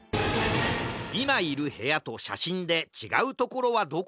いまいるへやとしゃしんでちがうところはどこかな？